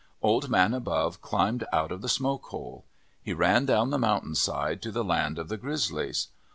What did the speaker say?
Old Man Above climbed out of the smoke hole. He ran down the mountain side to the land of the Grizzlies.